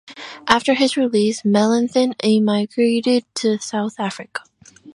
After his release, Mellenthin emigrated to South Africa.